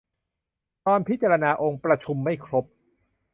ตอนพิจารณาองค์ประชุมไม่ครบ